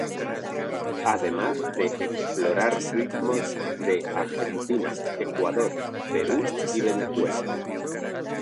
Además de explorar ritmos de Argentina, Ecuador, Perú y Venezuela.